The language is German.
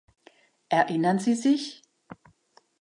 Erinnern Sie sich?